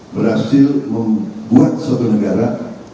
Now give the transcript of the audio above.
berhasil membuat suatu negara